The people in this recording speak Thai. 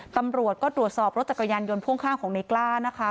ตำรวจก็ตรวจสอบรถจักรยานยนต์พ่วงข้างของในกล้านะคะ